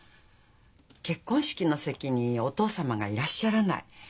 結婚式の席にお父様がいらっしゃらない。